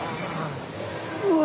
うわ。